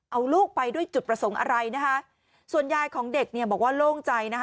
เอาลูกไปด้วยจุดประสงค์อะไรนะคะส่วนยายของเด็กเนี่ยบอกว่าโล่งใจนะคะ